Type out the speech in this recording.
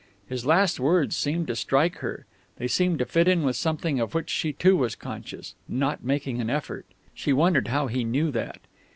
His last words seemed to strike her. They seemed to fit in with something of which she too was conscious. "Not making an effort ..." she wondered how he knew that.